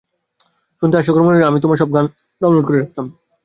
শুনতে হাস্যকর মনে হলেও আমি তোমার সব গান ডাউনলোড করে রাখতাম।